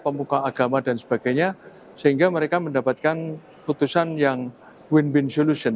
pemuka agama dan sebagainya sehingga mereka mendapatkan putusan yang win win solution